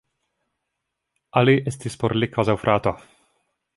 Ali estis por li kvazaŭ frato.